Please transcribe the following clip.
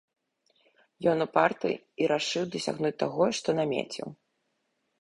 Ён упарты і рашыў дасягнуць таго, што намеціў.